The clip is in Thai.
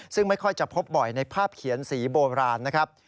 ซึ่งไม่ค่อยจะพบบ่อยในภาพเขียนสีโบราณนะครับ